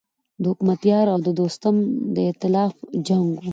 د حکمتیار او دوستم د ایتلاف جنګ و.